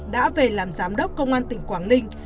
đã về làm giám đốc công an tỉnh quảng ninh